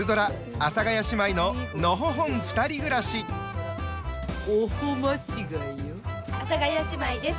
阿佐ヶ谷姉妹です。